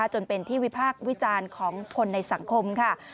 จนเป็นที่วิพากษ์วิจารณ์ของคนในสังคมค่ะ